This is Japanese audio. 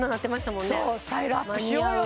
もんねスタイルアップしようよ